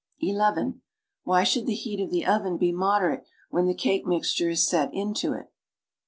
(n) Why should the heat of the oven be moderate when the cake mixture is set into it?